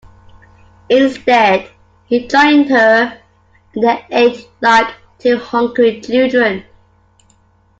Instead, he joined her; and they ate like two hungry children.